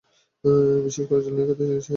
বিশেষ করে জ্বালানি খাতের ঋণ চাহিদা বাড়ছে।